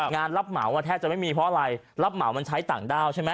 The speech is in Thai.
งานเป็นรับเหมาแทดจะไม่มีเพราะอะไรและลับเหมามันใช้ต่างด้าวใช่มั้ย